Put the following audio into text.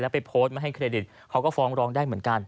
ไปโพสต์มาให้เครดิตเขาก็ฟ้องร้องได้เหมือนกัน